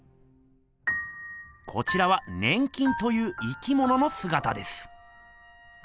こちらは粘菌という生きもののすがたです。